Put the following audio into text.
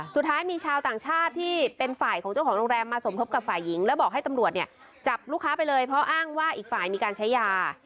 สุดท้ายมีชาวต่างชาติที่เป็นฝ่ายของเจ้าของโรงแรมมาสมทบกับฝ่ายหญิงแล้วบอกให้ตำรวจเนี่ยจับลูกค้าไปเลยเพราะอ้างว่าอีกฝ่ายมีการใช้ยา